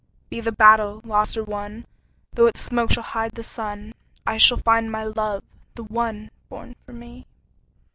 Be the battle lost or won, 5 Though its smoke shall hide the sun, I shall find my love—the one Born for me!